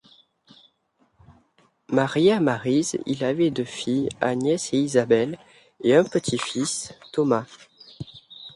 Marié à Maryse, il avait deux filles, Agnès et Isabelle, et un petit-fils, Thomas.